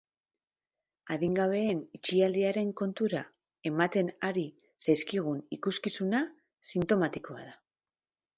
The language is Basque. Adingabeen itxialdiaren kontura ematen ari zaizkigun ikuskizuna sintomatikoa da.